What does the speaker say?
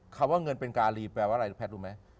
คำว่าเงินเป็นการีแปลว่าอะไรแพทย์รู้ไหม